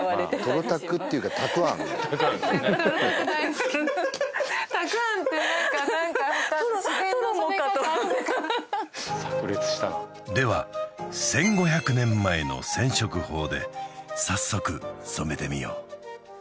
トロたくっていうかたくあんたくあんってなんかなんか自然の染め方あるのかなでは１５００年前の染色法で早速染めてみよう